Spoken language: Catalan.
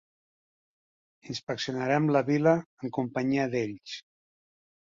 Inspeccionarem la vil·la en companyia d'ells.